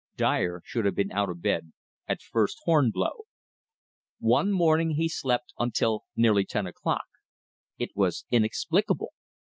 Dyer should have been out of bed at first horn blow. One morning he slept until nearly ten o'clock. It was inexplicable!